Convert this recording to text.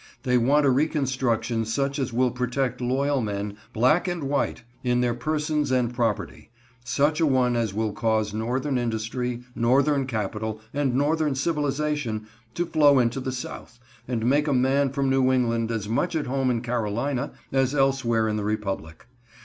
They want a reconstruction such as will protect loyal men, black and white, in their persons and property; such a one as will cause Northern industry, Northern capital, and Northern civilization to flow into the South, and make a man from New England as much at home in Carolina as elsewhere in the Republic.